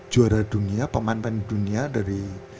juara dunia pemain pemain dunia dari